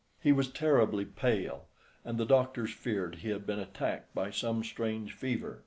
He was terribly pale, and the doctors feared he had been attacked by some strange fever.